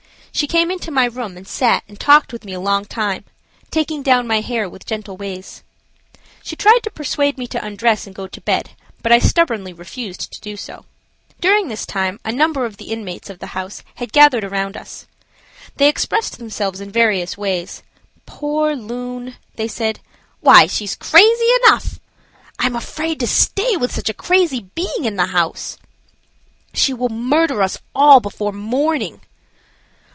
She came into my room, and sat and talked with me a long time, taking down my hair with gentle ways. She tried to persuade me to undress and go to bed, but I stubbornly refused to do so. During this time a number of the inmates of the house had gathered around us. They expressed themselves in various ways. "Poor loon!" they said. "Why, she's crazy enough!" "I am afraid to stay with such a crazy being in house." "She will murder us all before morning."